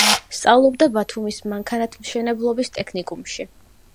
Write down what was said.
სწავლობდა ბათუმის მანქანათმშენებლობის ტექნიკუმში.